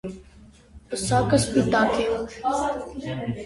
Պսակը սպիտակ է։